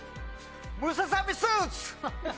ムササビスーツ。